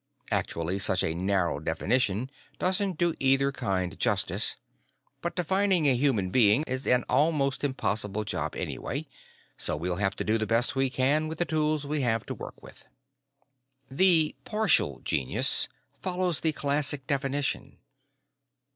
Actually, such a narrow definition doesn't do either kind justice, but defining a human being is an almost impossible job, anyway, so we'll have to do the best we can with the tools we have to work with. The "partial" genius follows the classic definition.